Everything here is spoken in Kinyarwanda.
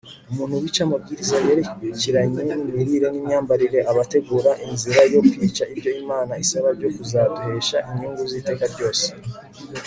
umuntu wica amabwiriza yerekeranye n'imirire n'imyambarire, aba ategura inzira yo kwica ibyo imana isaba byo kuzaduhesha inyungu z'iteka ryose